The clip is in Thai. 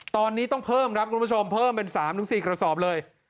ตอนนี้ต้องเพิ่มครับคุณผู้ชมเพิ่มเป็น๓๔กระสอบเลย